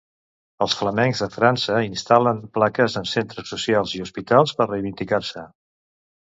Els flamencs de França instal·len plaques en centres socials i hospitals, per reivindicar-se.